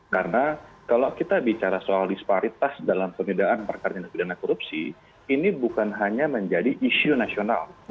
karena kalau kita bicara soal disparitas dalam pembedaan perkar dinafidana korupsi ini bukan hanya menjadi isu nasional